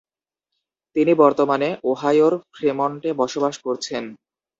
তিনি বর্তমানে ওহাইওর ফ্রেমন্টে বসবাস করছেন।